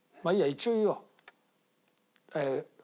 一応言おう。